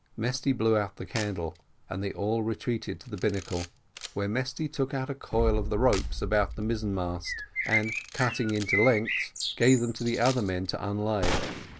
Mesty blew out the candle, and they all retreated to the binnacle, where Mesty took out a coil of the ropes about the mizzen mast, and cutting it into lengths, gave them to the other men to unlay.